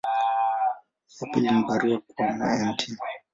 Ya pili ni barua kwa Mt.